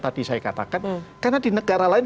tadi saya katakan karena di negara lain